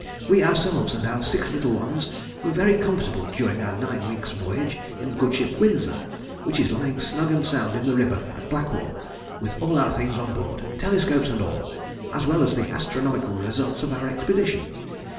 We ourselves and our six little ones were very comfortable during our nine weeks' voyage in the good ship Windsor, which is lying snug and sound in the river at Blackwall, with all our things on board, telescopes and all (as well as the astronomical results of our expedition).